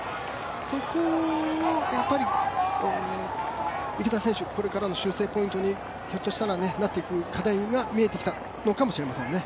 そこを池田選手これからの修正ポイントになっていく課題が見えてきたのかもしれませんね。